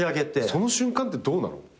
その瞬間ってどうなの？